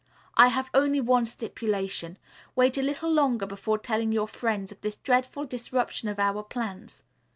I have only one stipulation. Wait a little longer before telling your friends of this dreadful disruption of our plans.